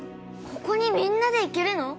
ここにみんなで行けるの？